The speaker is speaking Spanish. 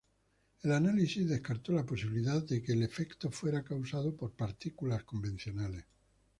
El análisis descartó la posibilidad de que el efecto fuera causado por partículas convencionales.